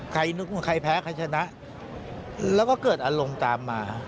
นึกว่าใครแพ้ใครชนะแล้วก็เกิดอารมณ์ตามมา